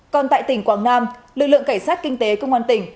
còn tại tỉnh quảng nam lực lượng cảnh sát kinh tế công an tỉnh